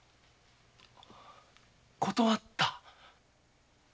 断った。